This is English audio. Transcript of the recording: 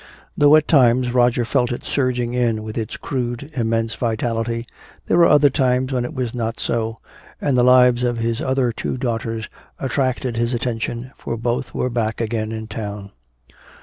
Though at times Roger felt it surging in with its crude, immense vitality, there were other times when it was not so, and the lives of his other two daughters attracted his attention, for both were back again in town.